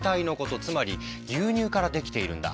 つまり牛乳から出来ているんだ。